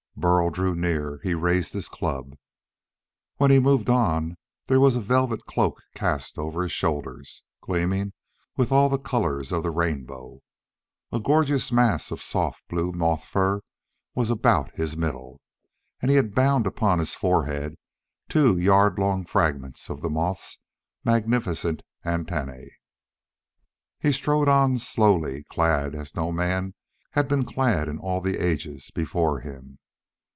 Burl drew near. He raised his club. When he moved on there was a velvet cloak cast over his shoulders, gleaming with all the colors of the rainbows. A gorgeous mass of soft blue moth fur was about his middle, and he had bound upon his forehead two yard long fragments of the moth's magnificent antennae. He strode on slowly, clad as no man had been clad in all the ages before him.